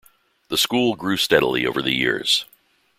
The school grew steadily over the years.